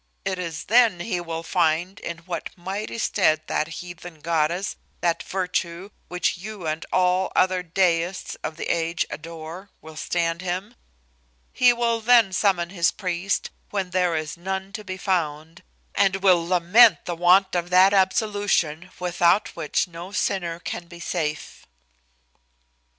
It is then he will find in what mighty stead that heathen goddess, that virtue, which you and all other deists of the age adore, will stand him. He will then summon his priest, when there is none to be found, and will lament the want of that absolution, without which no sinner can be safe."